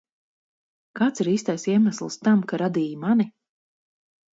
Kāds ir īstais iemesls tam, ka radīji mani?